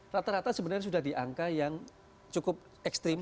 rata rata sebenarnya sudah di angka yang cukup ekstrim